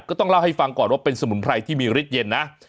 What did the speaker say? ก็ต้องเล่าให้ฟังก่อนว่าเป็นสมุนไพรที่มีฤทธิเย็นนะ